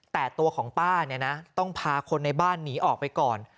แต่ตัวของป้าเนี่ยนะต้องพาคนในบ้านหนีออกไปก่อน